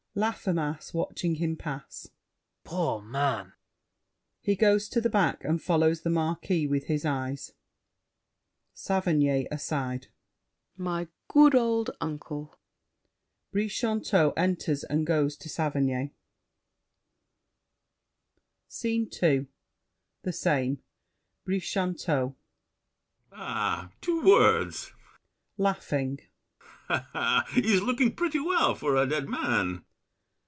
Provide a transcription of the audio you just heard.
LAFFEMAS (watching him pass). Poor man! [He goes to the back and follows The Marquis with his eyes. SAVERNY (aside). My good old uncle! [Brichanteau enters and goes to Saverny. SCENE II The same. Brichanteau BRICHANTEAU. Ah! two words! He's looking pretty well for a dead man!